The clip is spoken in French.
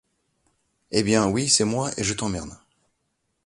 Eh bien ! oui, c’est moi, et je t’emmerde !…